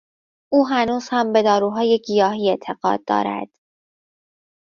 او هنوز هم به داروهای گیاهی اعتقاد دارد.